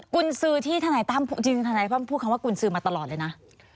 กุญศือที่ถ้าไหนต้องพูดคำว่ากุญศือมาตลอดเลยนะ